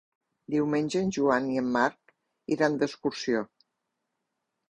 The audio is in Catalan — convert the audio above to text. Diumenge en Joan i en Marc iran d'excursió.